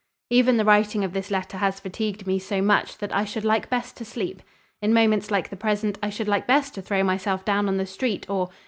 "Even the writing of this letter has fatigued me so much that I should like best to sleep. In moments like the present I should like best to throw myself down on the street or